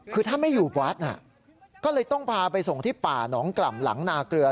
คือถ้าไม่อยู่วัดก็เลยต้องพาไปส่งที่ป่าหนองกล่ำหลังนาเกลือ